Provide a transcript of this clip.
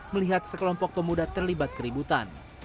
melihat sekelompok pemuda terlibat keributan